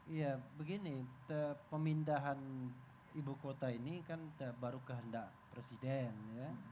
iya begini pemindahan ibu kota ini kan baru kehendak presiden ya